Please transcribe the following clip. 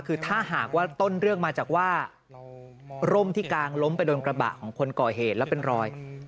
คือถ้าหากว่าต้นเรื่องมาจากว่าร่มที่กางล้มไปโดนกระบะของคนก่อเหตุแล้วเป็นรอย